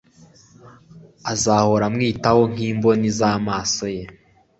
azahora amwitaho nk'imboni z'amaso ye